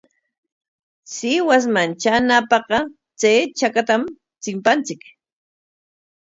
Sihuasman traanapaqqa chay chakatam chimpanchik.